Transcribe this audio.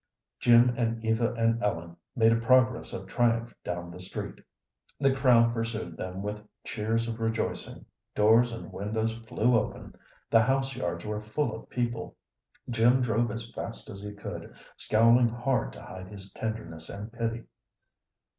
Jim and Eva and Ellen made a progress of triumph down the street. The crowd pursued them with cheers of rejoicing; doors and windows flew open; the house yards were full of people. Jim drove as fast as he could, scowling hard to hide his tenderness and pity.